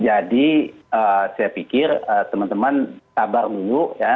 jadi saya pikir teman teman sabar dulu ya